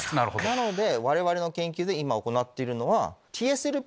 なので我々の研究で今行っているのは。